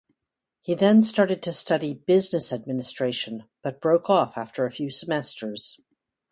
He then started to study Business administration but broke off after a few semesters.